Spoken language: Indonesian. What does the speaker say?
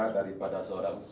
daripada seorang suami